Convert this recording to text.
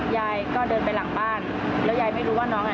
ยายก็เดินไปหลังบ้านแล้วยายไม่รู้ว่าน้องอ่ะ